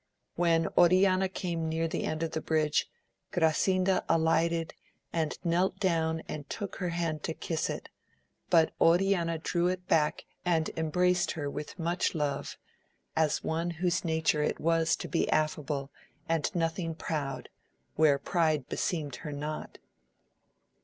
When Oriana came near the end of the bridge, Grasinda alighted and knelt down and took her hand to kiss it, but Oriana drew it back, and embraced her with much love, as one whose nature it was to be affable and nothing proud, where pride beseemed her not.